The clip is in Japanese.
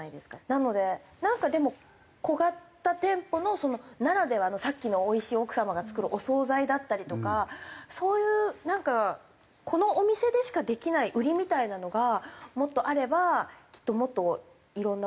なのでなんかでも小型店舗ならではのさっきのおいしい奥様が作るお惣菜だったりとかそういうなんかこのお店でしかできない売りみたいなのがもっとあればきっともっといろんな多くの人が。